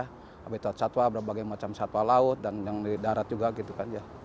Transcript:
habitat satwa berbagai macam satwa laut dan yang di darat juga